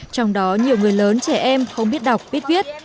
trong đó nhiều người lớn trẻ em không biết đọc biết viết